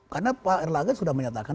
karena pak erlangga sudah menyatakan